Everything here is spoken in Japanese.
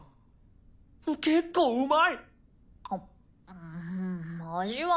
結構うまい！